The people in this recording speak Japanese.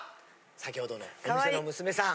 さきほどのお店の娘さん！